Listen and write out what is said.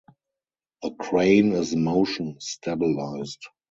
The crane is motion stabilized.